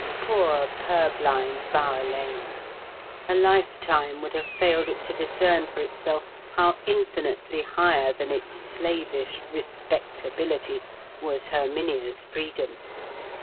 Poor purblind Bower Lane! A lifetime would have failed it to discern for itself how infinitely higher than its slavish "respectability" was Herminia's freedom.